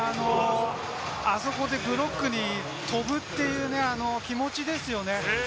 あそこでブロックに飛ぶっていうね、気持ちですよね。